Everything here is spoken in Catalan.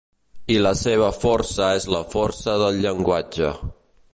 I la seva força és la força del llenguatge.